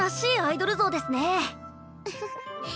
フフフッ。